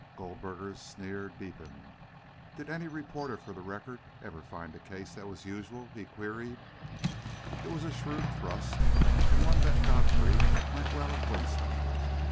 Goldberger's sneer deepened. "Did any reporter for the Record ever find a case that was usual?" he queried. It was a shrewd thrust, and one that Godfrey might well have winced under.